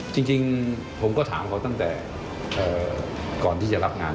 จริงผมก็ถามเขาตั้งแต่ก่อนที่จะรับงาน